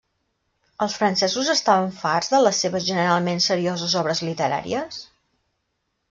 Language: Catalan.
Els francesos estaven farts de les seves generalment serioses obres literàries?